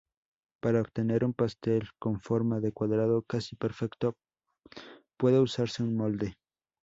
Para obtener un pastel con forma de cuadrado casi perfecto puede usarse un molde.